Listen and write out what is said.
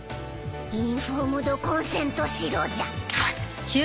インフォームド・コンセントしろじゃ。